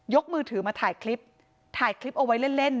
มือถือมาถ่ายคลิปถ่ายคลิปเอาไว้เล่นเล่น